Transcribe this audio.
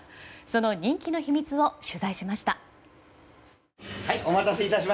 その人気の秘密を取材しました。